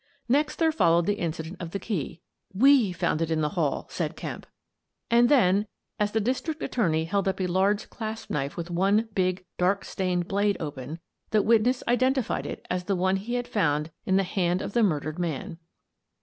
Next there followed the incident of the key (" We found it in the hall," said Kemp!), and then, as the district attorney held up a large clasp knife with one big, dark stained blade open, the witness identified it as the one he had found in the hand of the murdered man.